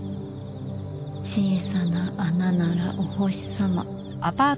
小さな穴ならお星様。